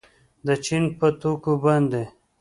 د چین په توکو باندې